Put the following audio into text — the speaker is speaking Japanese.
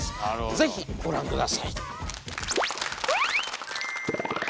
ぜひご覧下さい。